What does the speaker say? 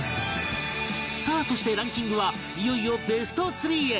さあそしてランキングはいよいよベスト３へ